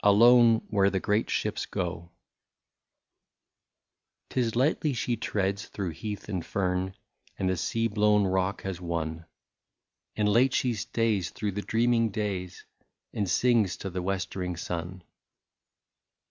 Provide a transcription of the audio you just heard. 124 ALONE WHERE THE GREAT SHIPS GO. 'T IS lightly she treads through heath and fern, And the sea blown rock has won, And late she stays through the dreaming days. And sings to the westering sun.